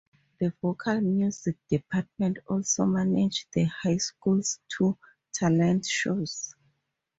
The vocal music department also manages the high school's two talent shows.